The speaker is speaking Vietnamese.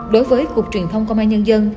đối với cục truyền thông công an nhân dân